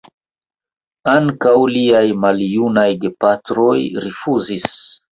Ankaŭ liaj maljunaj gepatroj rifuzis.